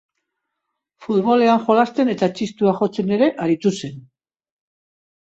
Futbolean jolasten eta txistua jotzen ere aritu zen.